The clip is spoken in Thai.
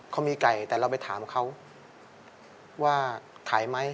เขามีไก่แต่เราไปถามเขาว่าขายไหม